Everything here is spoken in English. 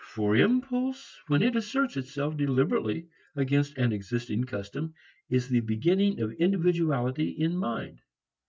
For impulse when it asserts itself deliberately against an existing custom is the beginning of individuality in mind.